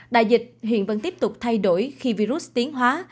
đại dịch hiện vẫn tiếp tục thay đổi khi virus tiến hóa